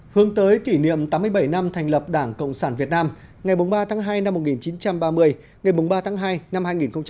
hướng tới kỷ niệm tám mươi bảy năm thành lập đảng cộng sản việt nam ngày ba tháng hai năm một nghìn chín trăm ba mươi ngày ba tháng hai năm hai nghìn hai mươi